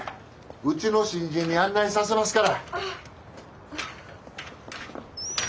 うちの新人に案内させますから。